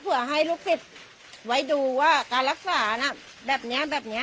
ผล่ะให้จุภิษฐ์ใดว่าการรักษาน่ะแบบนี้แบบเนี่ย